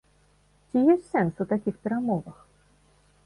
Ці ёсць сэнс у такіх перамовах?